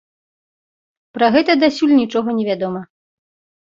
Пра гэта дасюль нічога невядома.